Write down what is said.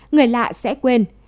người lạ sẽ quên